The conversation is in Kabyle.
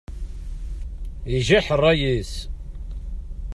Ijaḥ ṛṛay-is.